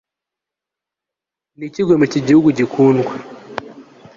niki guhemukira iki gihugu gikundwa